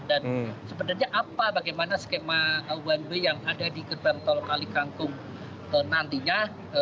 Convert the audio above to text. dan sebenarnya apa bagaimana skema one way yang ada di gerbang tol kalikangkung nantinya